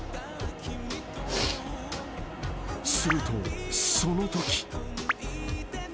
［するとそのとき］